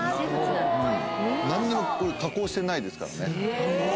何にも加工してないですからね。